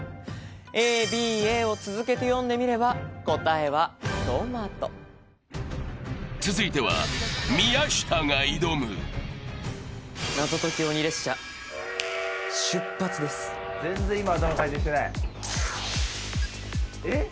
ＡＢＡを続けて読んでみれば答えはトマト続いては宮下が挑む全然今頭回転してないえっ？